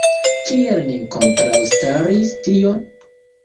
Kiel ni kontraŭstaris tion?